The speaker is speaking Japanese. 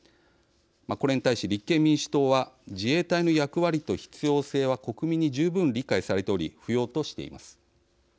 これに対し、立憲民主党は自衛隊の役割と必要性は国民に十分理解されており不要としています。